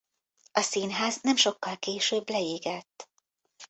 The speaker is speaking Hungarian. A színház nem sokkal később leégett.